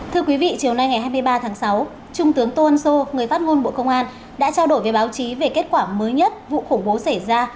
thưa quý vị chiều nay ngày hai mươi ba tháng sáu trung tướng tô ân sô người phát ngôn bộ công an đã trao đổi với báo chí về kết quả mới nhất vụ khủng bố xảy ra